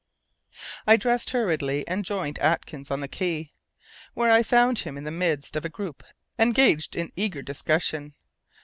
I dressed hurriedly and joined Atkins on the quay, where I found him in the midst of a group engaged in eager discussion.